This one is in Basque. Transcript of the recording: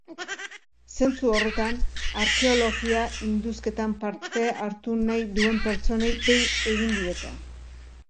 Zentzu horretan, arkeologia-indusketan parte hartu nahi duen pertsonei dei egin diete.